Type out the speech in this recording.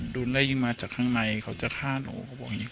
โดนไล่ยิงมาจากข้างในเขาจะฆ่าหนูเขาบอกอย่างนี้